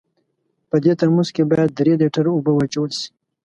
په دې ترموز کې باید درې لیټره اوبه واچول سي.